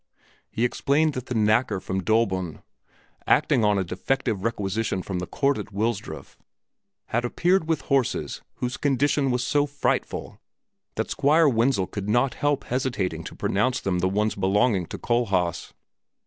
He explained that the knacker from Döbeln, acting on a defective requisition from the court at Wilsdruf, had appeared with horses whose condition was so frightful that Squire Wenzel could not help hesitating to pronounce them the ones belonging to Kohlhaas.